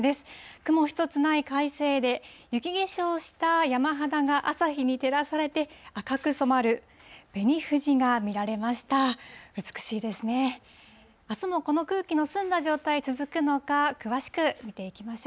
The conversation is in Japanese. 雲一つない快晴で、雪化粧した山肌が朝日に照らされて赤く染まる、紅富士が見られました。